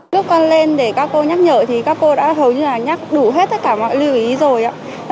lúc con lên để các cô nhắc nhở thì các cô đã hầu như là nhắc đủ hết tất cả mọi lưu ý rồi ạ